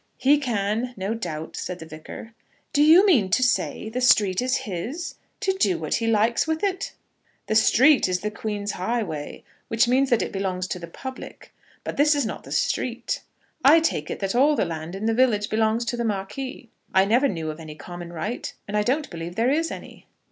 "He can, no doubt," said the Vicar. "Do you mean to say the street is his; to do what he likes with it?" "The street is the Queen's highway, which means that it belongs to the public; but this is not the street. I take it that all the land in the village belongs to the Marquis. I never knew of any common right, and I don't believe there is any."